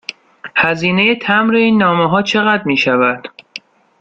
هزینه مبر این نامه ها چقدر می شود؟